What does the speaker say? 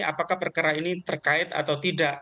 apakah perkara ini terkait atau tidak